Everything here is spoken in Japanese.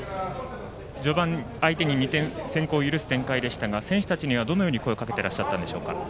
序盤、相手に２点先行を許す展開でしたが選手たちにはどのように声をかけていらしたんですか？